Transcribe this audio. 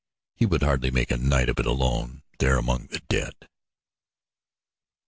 He would hardly make a night of it alone there among the dead.